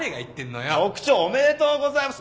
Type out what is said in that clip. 局長おめでとうございます。